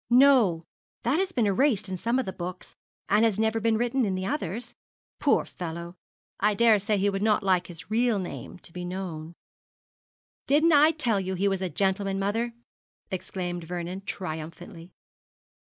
'No; that has been erased in some of the books, and has never been written in the others. Poor fellow! I daresay he would not like his real name to be known.' 'Didn't I tell you he was a gentleman, mother?' exclaimed Vernon, triumphantly.